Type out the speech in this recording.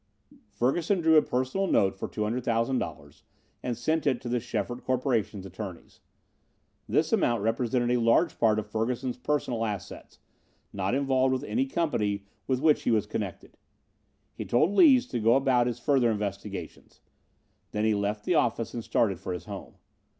Ferguson drew a personal note for $200,000 and sent it to the Schefert Corporation's attorneys. This amount represented a large part of Ferguson's personal assets, not involved with any company with which he was connected. He told Lees to go about his further investigations. Then he left the office and started for his home.